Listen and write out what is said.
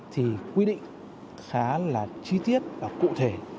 thì quy định khá là chi tiết và cụ thể